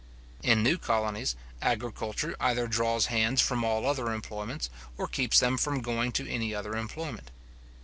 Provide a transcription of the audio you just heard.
In new colonies, agriculture either draws hands from all other employments, or keeps them from going to any other employment.